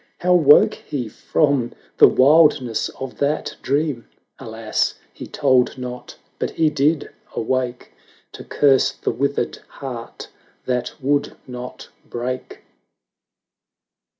How woke he from the wildness of that dream ! Alas ! he told not — but he did awake To curse the withered heart that would not break.